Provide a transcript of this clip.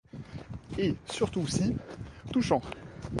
Et surtout si touchants.